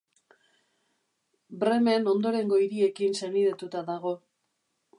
Bremen ondorengo hiriekin senidetuta dago.